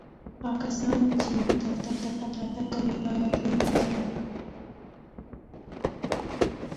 هغه کسان چي و دفتر ته تګ راتګ کوي ، باید و یې پېژني